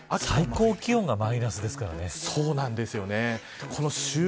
最高気温がマイナスですからね。